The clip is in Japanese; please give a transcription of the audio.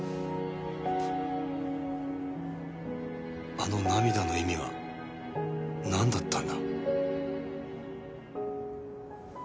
あの涙の意味はなんだったんだ？